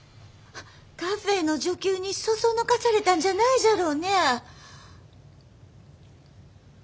カフェーの女給にそそのかされたんじゃないじゃろうね？